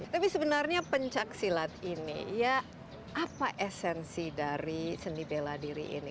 tapi sebenarnya pencaksilat ini ya apa esensi dari seni bela diri ini